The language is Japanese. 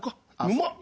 うまっ！